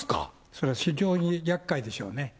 それは非常にやっかいでしょうね。